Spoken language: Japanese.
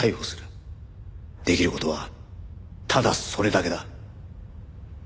できる事はただそれだけだ。